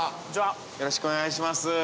よろしくお願いします。